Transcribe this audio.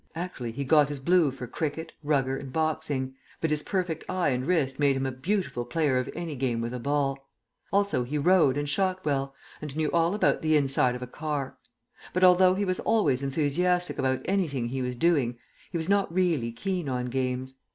Actually he got his blue for cricket, rugger, and boxing, but his perfect eye and wrist made him a beautiful player of any game with a ball. Also he rode and shot well, and knew all about the inside of a car. But, although he was always enthusiastic about anything he was doing, he was not really keen on games.